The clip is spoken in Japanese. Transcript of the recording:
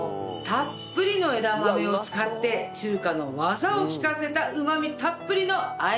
たっぷりの枝豆を使って中華の技を利かせたうまみたっぷりのあえ